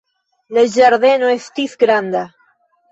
La ĝardeno estis granda.